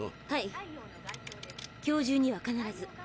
はい今日じゅうには必ず。